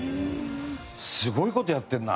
すごい事やってるな！